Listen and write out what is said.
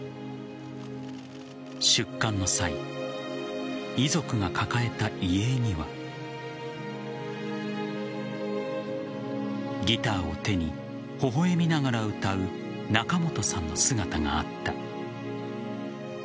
出棺の際、遺族が抱えた遺影にはギターを手に、微笑みながら歌う仲本さんの姿があった。